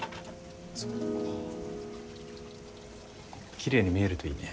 奇麗に見えるといいね。